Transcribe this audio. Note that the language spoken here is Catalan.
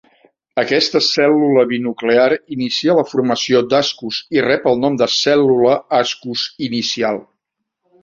Aquesta cèl·lula binuclear inicia la formació d'ASCUS i rep el nom de cèl·lula "ASCUS-inicial".